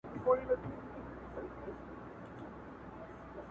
ياني انسان په ځانګړي قوم، ژبه